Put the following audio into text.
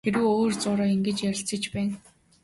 Хэрээ өөр зуураа ингэж ярилцаж байна.